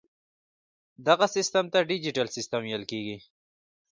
دغه سیسټم ته ډیجیټل سیسټم ویل کیږي.